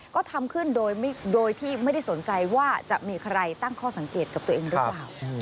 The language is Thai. ก็ทำขึ้นโดยที่ไม่ได้สนใจว่าจะมีใครตั้งข้อสังเกตกับตัวเองหรือเปล่า